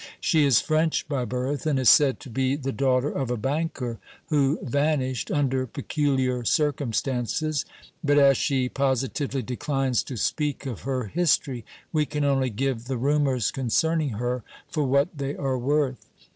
She is French by birth, and is said to be the daughter of a banker, who vanished under peculiar circumstances, but, as she positively declines to speak of her history, we can only give the rumors concerning her for what they are worth.